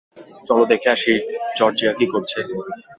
চলো দেখে আসি জর্জিয়া কি করছে?